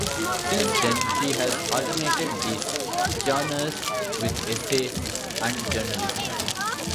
Since then, he has alternated these genres with essays and journalism.